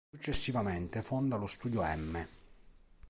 Successivamente fonda lo "Studio Emme".